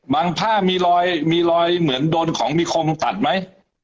บางผ้ามีรอยเหมือนโดนของมีคมตัดมั้ย